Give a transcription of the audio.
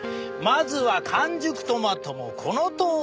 まずは完熟トマトもこのとおり。